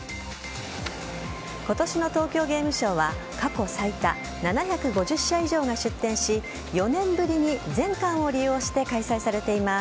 今年の東京ゲームショウは過去最多７５０社以上が出展し４年ぶりに全館を利用して開催されています。